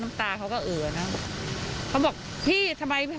น้ำตาเขาก็อื่ออ่ะนั่งเขาบอกพี่ทำไมทำ